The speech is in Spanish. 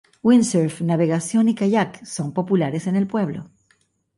Windsurf, navegación y kayak son populares en el pueblo.